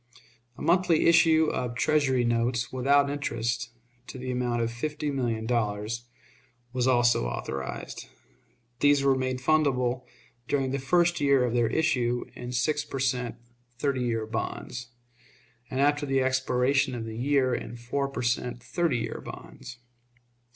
A monthly issue of Treasury notes, without interest, to the amount of fifty million dollars, was also authorized. These were made fundable during the first year of their issue in six per cent. thirty years bonds, and after the expiration of the year in four per cent. thirty years bonds.